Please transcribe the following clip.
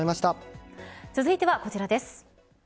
続いてはこちらです。